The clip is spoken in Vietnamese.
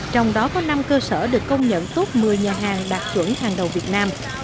trong đó có năm cơ sở được công nhận tốt một mươi nhà hàng đạt chuẩn hàng đầu việt nam